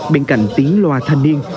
bên cạnh tiếng loa thanh niên